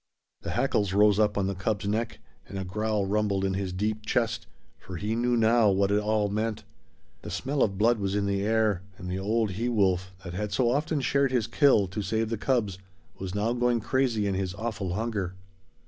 The hackles rose up on the cub's neck and a growl rumbled in his deep chest, for he knew now what it all meant. The smell of blood was in the air, and the old he wolf, that had so often shared his kill to save the cubs, was now going crazy in his awful hunger.